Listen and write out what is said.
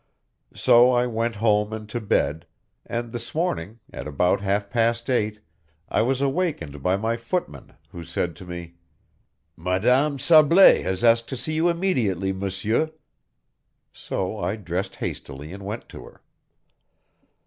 So I went home and to bed, and this morning, at about half past eight, I was awakened by my footman, who said to me: "Madame Sablé has asked to see you immediately, Monsieur," so I dressed hastily and went to her.